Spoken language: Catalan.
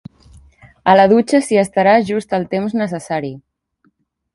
A la dutxa s'hi estarà just el temps necessari.